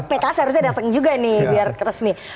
pks harusnya datang juga nih biar resmi